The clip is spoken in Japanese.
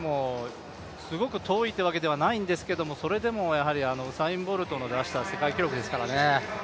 すごく遠いというわけではないんですけど、それでもウサイン・ボルトの出した世界記録ですからね。